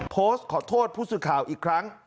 โพสต์ขอโทษผู้สื่อข่าวอีกครั้ง